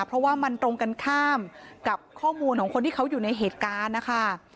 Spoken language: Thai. เพราะว่ามันตรงกันข้ามกับข้อมูลของคนที่เขาอยู่ในเหตุการณ์นะคะ